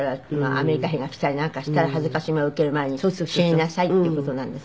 アメリカ兵が来たりなんかしたら辱めを受ける前に死になさいっていう事なんですね。